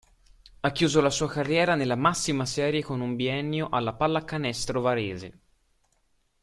Ha chiuso la sua carriera nella massima serie con un biennio alla Pallacanestro Varese.